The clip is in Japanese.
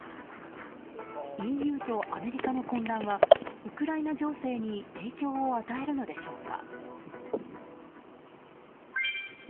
ＥＵとアメリカの混乱はウクライナ情勢に影響を与えるのでしょうか。